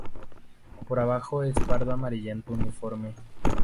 Por abajo es pardo amarillento uniforme.